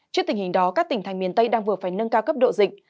trước tình hình đó các tỉnh thành miền tây đang vừa phải nâng cao cấp độ dịch